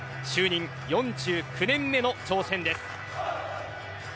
就任４９年目の挑戦です。